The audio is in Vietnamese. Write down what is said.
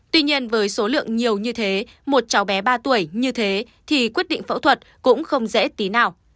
tuy nhiên với số lượng nhiều như thế một cháu bé ba tuổi như thế thì quyết định phẫu thuật cũng không dễ tí nào